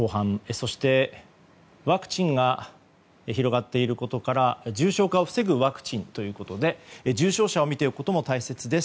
そして、ワクチンが広がっていることから重症化を防ぐワクチンということで重症者を見ておくことも大切です。